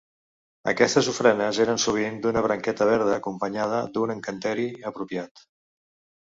Aquestes ofrenes eren sovint d'una branqueta verda, acompanyada d'un encanteri apropiat.